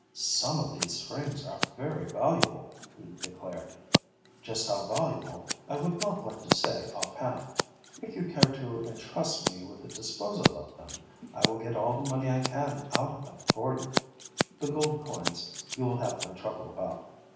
"Some of these rings are very valuable," he declared. "Just how valuable, I would not like to say, offhand. If you care to intrust me with the disposal of them, I will get all the money I can out of them for you. The gold coins you will have no trouble about.